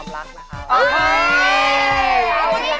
เพราะว่าพี่ไม่นั้นเปิดใจนี่